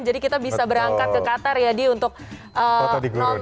jadi kita bisa berangkat ke qatar ya di untuk nonton